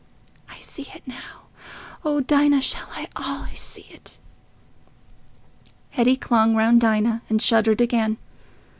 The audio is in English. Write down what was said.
I see it now. Oh Dinah! shall I allays see it?" Hetty clung round Dinah and shuddered again.